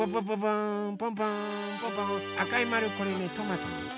あかいまるこれねトマト。